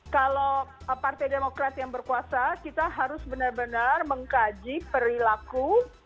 kalau partai demokrat yang berkuasa kita harus benar benar mengkaji perilaku